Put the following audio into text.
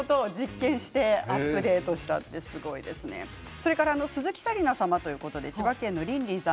それから鈴木紗理奈さんにということで千葉県の方。